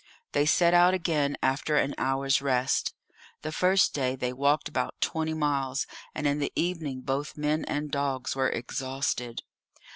They set out again after an hour's rest. The first day they walked about twenty miles, and in the evening both men and dogs were exhausted.